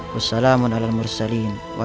wassalamualaikum warahmatullahi wabarakatuh